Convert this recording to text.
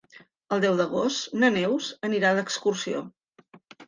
El deu d'agost na Neus anirà d'excursió.